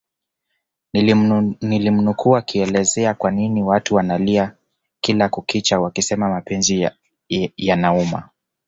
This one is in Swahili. nilimnukuu akielezea kwanini watu wanalia kila kukicha wakisema mapenzi yanauma